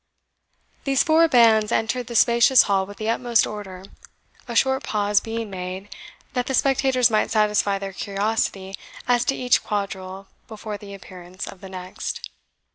These four bands entered the spacious hall with the utmost order, a short pause being made, that the spectators might satisfy their curiosity as to each quadrille before the appearance of the next.